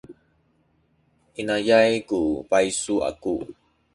inayay ku paysu aku.